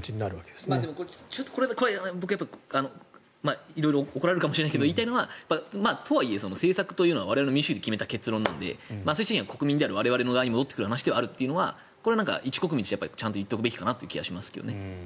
でも、僕、色々怒られるかもしれないけど言いたいのはとはいえ、政策というのは我々の民主主義で決めた結論なので、最終的には我々に戻ってくる話というのはこれは一国民としてちゃんと言っておくべきかなという気はしますけどね。